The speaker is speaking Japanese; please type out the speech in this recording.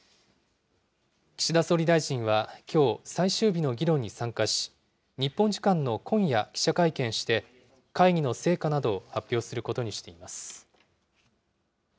岸田総理大臣はきょう、最終日の議論に参加し、日本時間の今夜、記者会見して、会議の成果などを発表することにしています。